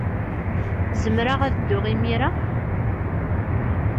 Zemreɣ ad dduɣ imir-a?